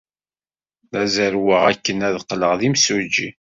La zerrweɣ akken ad qqleɣ d imsujji.